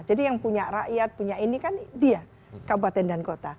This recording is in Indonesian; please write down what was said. jadi yang punya rakyat punya ini kan dia kabupaten dan kota